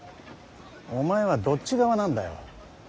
お前はどっち側なんだよ。